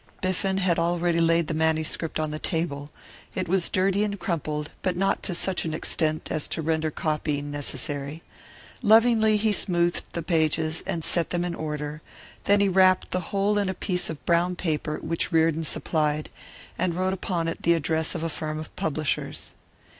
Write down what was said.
Biffen had already laid the manuscript on the table; it was dirty and crumpled, but not to such an extent as to render copying necessary. Lovingly he smoothed the pages and set them in order, then he wrapped the whole in a piece of brown paper which Reardon supplied, and wrote upon it the address of a firm of publishers.